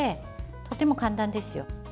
とても簡単ですよ。